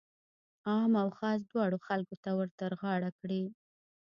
عام او خاص دواړو خلکو ته ورترغاړه کړي.